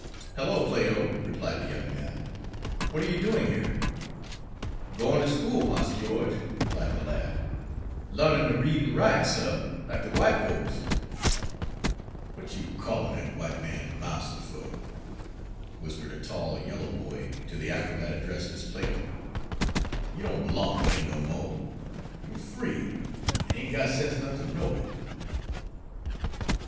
"Hello, Plato," replied the young man, "what are you doing here?" "Gwine ter school, Mars Geo'ge," replied the lad; "larnin' ter read an' write, suh, lack de w'ite folks." "Wat you callin' dat w'ite man marster fur?" whispered a tall yellow boy to the acrobat addressed as Plato. "You don' b'long ter him no mo'; you're free, an' ain' got sense ernuff ter know it."